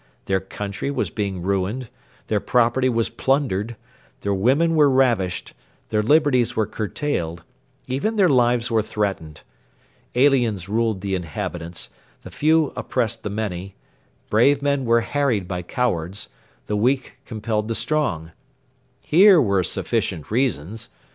Their country was being ruined; their property was plundered; their women were ravished; their liberties were curtailed; even their lives were threatened. Aliens ruled the inhabitants; the few oppressed the many; brave men were harried by cowards; the weak compelled the strong. Here were sufficient reasons.